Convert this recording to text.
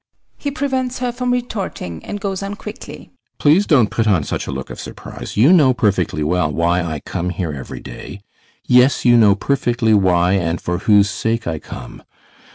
[He prevents her from retorting, and goes on quickly] Please don't put on such a look of surprise; you know perfectly well why I come here every day. Yes, you know perfectly why and for whose sake I come!